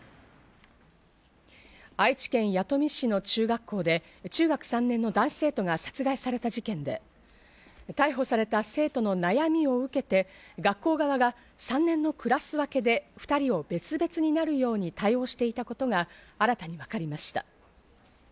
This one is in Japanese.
愛知県弥富市の中学校で中学３年の男子生徒が殺害された事件で、逮捕された生徒の悩みを受けて、学校側が３年のクラス分けで２人を別々になるように対応していたことが新たに分かりました。